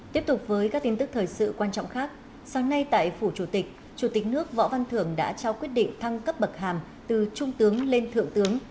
tiếp tục với các tin tức thời sự quan trọng khác sáng nay tại phủ chủ tịch chủ tịch nước võ văn thưởng đã trao quyết định thăng cấp bậc hàm từ trung tướng lên thượng tướng